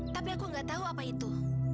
tapi aku gak tahu apa itu